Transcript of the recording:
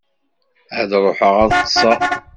Ad ṛuḥeɣ ad ṭṭseɣ.